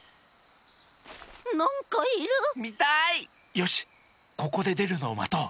よしここででるのをまとう。